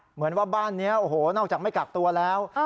เหมือนว่าบ้านนี้โอ้โหนอกจากไม่กักตัวแล้ว